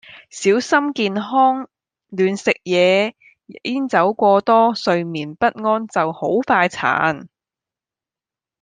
小心健康亂食野煙酒過多睡眠不安就好快殘。